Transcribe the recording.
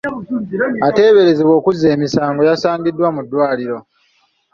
Ateeberezebwa okuzza emisango yasangiddwa mu ddwaliro.